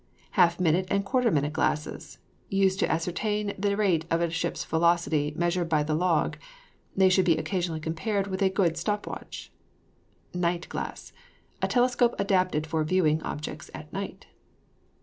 Half minute and quarter minute glasses, used to ascertain the rate of the ship's velocity measured by the log; they should be occasionally compared with a good stop watch. Night glass. A telescope adapted for viewing objects at night.